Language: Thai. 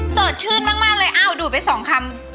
สดชื่นมากเลยอ้าวดูดไปสองคำ